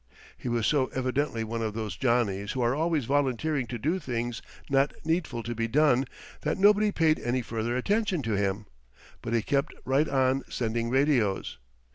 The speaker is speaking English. He was so evidently one of those Johnnies who are always volunteering to do things not needful to be done that nobody paid any further attention to him. But he kept right on sending radios.